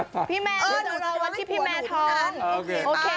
พี่แม้หนูจะรอวันที่พี่แม้ทอง